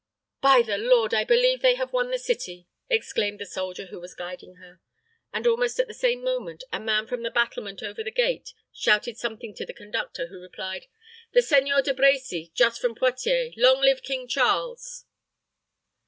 "By the Lord! I believe they have won the city," exclaimed the soldier who was guiding her; and almost at the same moment, a man from the battlement over the gate shouted something to the conductor, who replied, "The Seigneur De Brecy, just from Poictiers. Long live King Charles!"